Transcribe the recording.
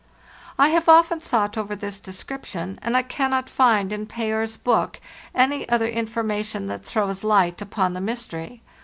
I have often thought over this description, and I cannot find in Payer's book any other information that throws light upon the mystery.